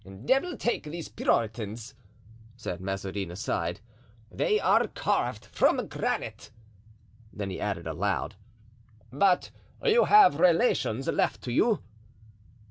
"Devil take these Puritans," said Mazarin aside; "they are carved from granite." Then he added aloud, "But you have relations left you?"